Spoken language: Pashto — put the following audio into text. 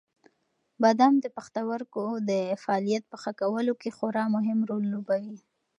بادام د پښتورګو د فعالیت په ښه کولو کې خورا مهم رول لوبوي.